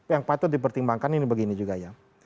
yang patut dipertimbangkan ini begini juga ya